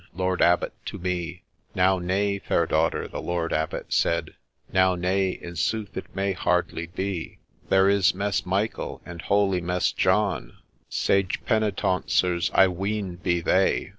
Lord Abbot, to me !'—' Now naye, Fair Daughter,' the Lord Abbot said, 4 Now naye, in sooth it may hardly be ; 4 There is Mess Michael, and holy Mess John, Sage Penitauncers I ween be they